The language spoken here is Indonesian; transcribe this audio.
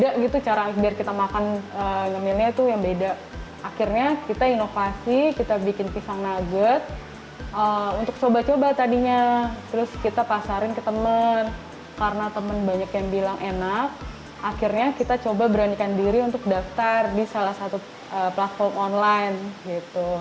karena temen banyak yang bilang enak akhirnya kita coba beranikan diri untuk daftar di salah satu platform online